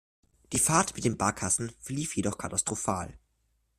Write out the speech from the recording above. Die Fahrt mit den Barkassen verlief jedoch katastrophal.